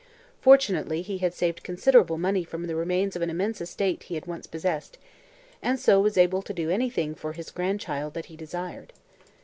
Fortunately he had saved considerable money from the remains of an immense estate he had once possessed and so was able to do anything for his grandchild that he desired.